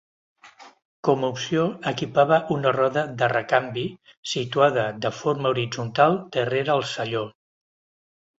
Com a opció, equipava una roda de recanvi, situada de forma horitzontal darrere el selló.